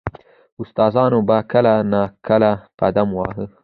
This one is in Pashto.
• استادانو به کله نا کله قدم واهه.